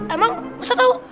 emang ustaz tahu